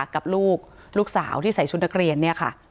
กับลูกลูกสาวที่ใส่ชุดนักเรียน